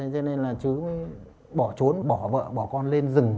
cho nên là trứ bỏ trốn bỏ vợ bỏ con lên rừng